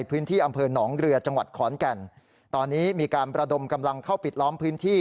เรือจังหวัดขอนแก่นตอนนี้มีการประดมกำลังเข้าปิดล้อมพื้นที่